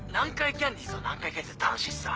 キャンディーズは南海キャンディーズで楽しいしさ。